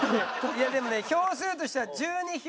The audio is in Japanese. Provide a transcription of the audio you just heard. いやでもね票数としては１２票。